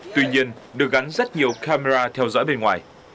tuy nhiên được gắn rất nhiều camera theo dõi bên ngoài